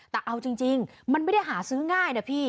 แต่เอาจริงมันไม่ได้หาซื้อง่ายนะพี่